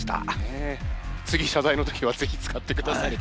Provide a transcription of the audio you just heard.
次謝罪の時は是非使ってください。